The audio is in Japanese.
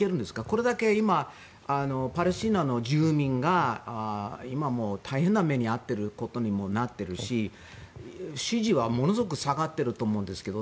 これだけ今、パレスチナの住民が大変な目に遭っているし支持はものすごく下がっていると思うんですけど。